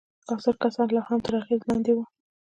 حاضر کسان يې لا هم تر اغېز لاندې وو.